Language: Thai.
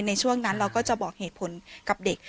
ในช่วงนั้นเราก็จะบอกเหตุผลกับเด็ก